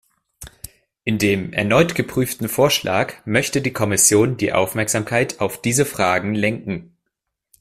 In dem erneut geprüften Vorschlag möchte die Kommission die Aufmerksamkeit auf diese Fragen lenken.